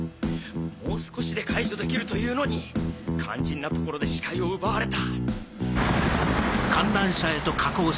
もう少しで解除できるというのに肝心なところで視界を奪われた。